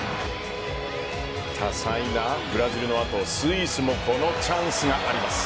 多彩なブラジルの後スイスもこのチャンスがあります。